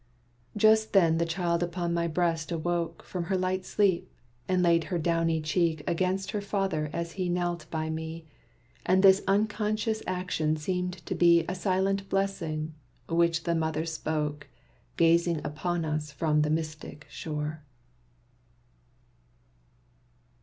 Just then the child upon my breast awoke From her light sleep, and laid her downy cheek Against her father as he knelt by me. And this unconscious action seemed to be A silent blessing, which the mother spoke Gazing upon us from the mystic shore.